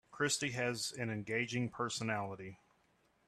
Christy has an engaging personality.